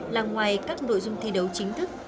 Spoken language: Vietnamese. là ngoài các nội dung thi đấu chính thức